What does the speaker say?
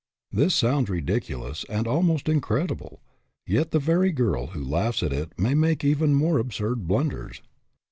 This sounds ridiculous and almost in credible, yet the very girl who laughs at it may make even more absurd blunders.